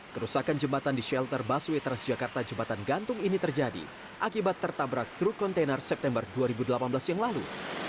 kerusakan jembatan di shelter busway transjakarta jembatan gantung ini terjadi akibat tertabrak truk kontainer september dua ribu delapan belas yang lalu